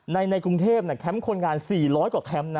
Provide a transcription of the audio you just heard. ในกรุงเทพแคมป์คนงาน๔๐๐กว่าแคมป์นะ